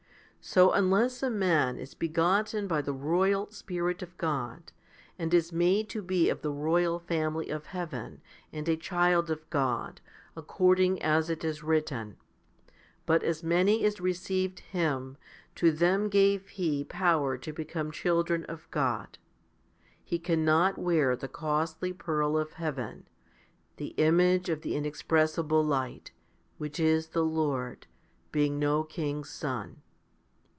So unless a man is begotten by the royal Spirit of God, and is made to be of the royal family of heaven and a child of God, according as it is written, But as many as received Him, to them gave He power to become children of God, 1 he cannot wear the costly pearl of heaven, the image of the inexpressible light, which is the Lord, being no king's son.